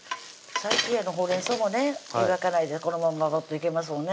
最近ほうれんそうもね湯がかないでこのまんまいけますもんね